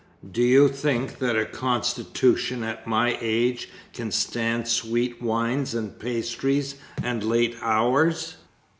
Do you think that a constitution at my age can stand sweet wines and pastry, and late hours?